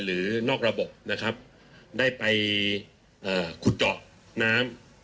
หรือนอกระบบนะครับได้ไปขุดเจาะน้ำ